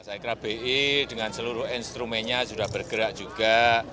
saya kira bi dengan seluruh instrumennya sudah bergerak juga